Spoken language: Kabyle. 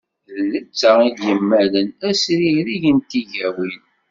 D netta i d-yemmalen azrireg n tigawin.